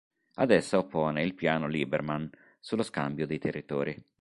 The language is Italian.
Ad essa oppone il piano Lieberman sullo scambio di territori.